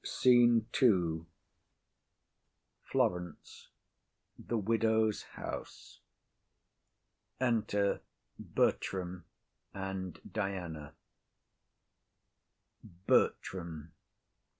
_] SCENE II. Florence. A room in the Widow's house. Enter Bertram and Diana. BERTRAM.